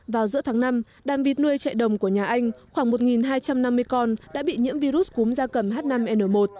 vào giữa tháng năm đàn vịt nuôi chạy đồng của nhà anh khoảng một hai trăm năm mươi con đã bị nhiễm virus cúm da cầm h năm n một